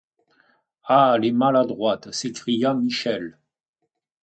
Ah! les maladroites ! s’écria Michel.